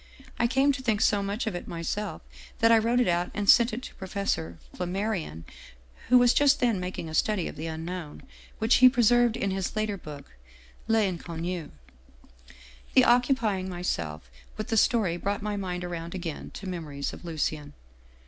I came to think so much of it myself that I wrote it out and sent it to Professor Flammarion, who was just then making a study of the Unknown, which he preserved in his later book 'LTnconnu.' " The occupying myself with the story brought my mind around again to memories of Lucien.